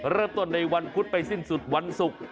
เริ่มต้นในวันพุธไปสิ้นสุดวันศุกร์